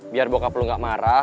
biar bokap lo gak marah